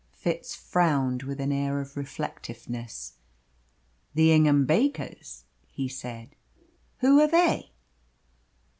Fitz frowned with an air of reflectiveness. "The Ingham Bakers," he said. "Who are they?"